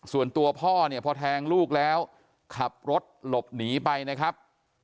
ส่วนตัวพ่อเนี่ยพอแทงลูกแล้วขับรถหลบหนีไปนะครับ